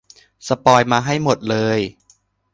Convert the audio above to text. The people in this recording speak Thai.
สปอยล์มาให้หมดเลย